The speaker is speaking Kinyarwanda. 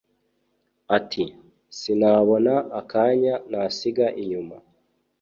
Ati: “Sinabona akanya nasiga inyuma